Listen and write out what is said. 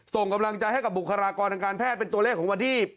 ส่งกำลังใจให้กับบุคลากรทางการแพทย์เป็นตัวเลขของวันที่